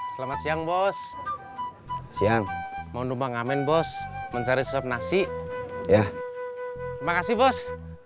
selamat siang bos siang mau numpang amin bos mencari suap nasi ya makasih bos